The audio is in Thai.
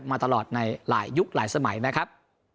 มาตลอดในหลายยุคหลายสมัยนะครับ